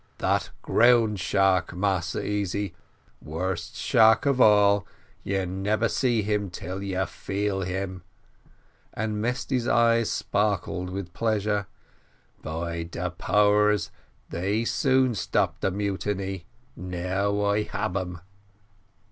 "That ground shark, Massa Easy, worst shark of all; you neber see him till you feel him;" and Mesty's eyes sparkled with pleasure. "By de powers, they soon stop de mutiny; now I hab 'em."